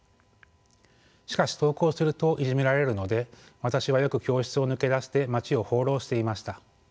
しかし登校するといじめられるので私はよく教室を抜け出して街を放浪していました。